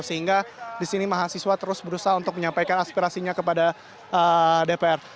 sehingga di sini mahasiswa terus berusaha untuk menyampaikan aspirasinya kepada dpr